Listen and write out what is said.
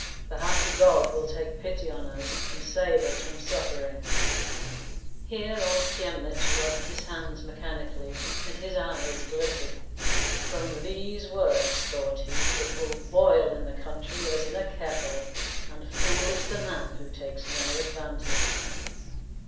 Perhaps God will take pity on us, and save us from suffering." Here old Kyemlich rubbed his hands mechanically, and his eyes glittered. "From these works," thought he, "it will boil in the country as in a kettle, and foolish the man who takes no advantage."